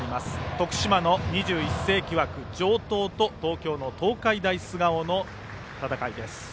徳島の２１世紀枠、城東と東京の東海大菅生の戦いです。